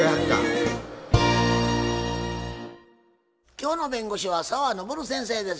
今日の弁護士は澤登先生です。